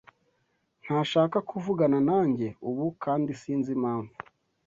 Ntashaka kuvugana nanjye ubu, kandi sinzi impamvu.